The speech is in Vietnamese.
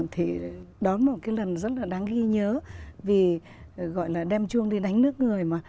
thì đó là một cái lần rất là đáng ghi nhớ vì gọi là đem chuông đi đánh nước người